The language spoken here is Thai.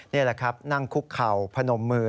นี่แหละครับนั่งคุกเข่าพนมมือ